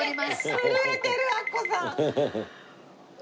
震えてるアッコさん。